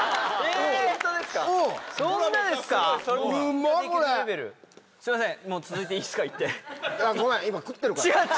すいません。